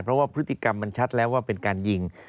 เพราะว่าพฤติกรรมมันชัดแล้วว่าเป็นการยิง